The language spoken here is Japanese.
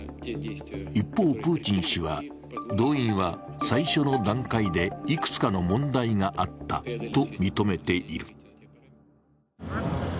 一方、プーチン氏は、動員は最初の段階でいくつかの問題があったと認めている。